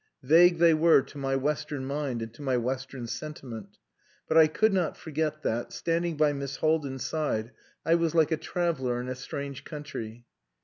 Vague they were to my Western mind and to my Western sentiment, but I could not forget that, standing by Miss Haldin's side, I was like a traveller in a strange country.